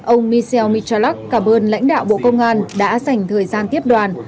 ông michel michalak cả bơn lãnh đạo bộ công an đã dành thời gian tiếp đoàn